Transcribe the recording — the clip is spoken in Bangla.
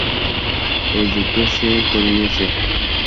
এ যুদ্ধ সেই করিয়েছে।